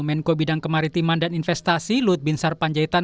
menko bidang kemaritiman dan investasi luhut binsar panjaitan